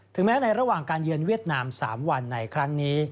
แม้ในระหว่างการเยือนเวียดนาม๓วันในครั้งนี้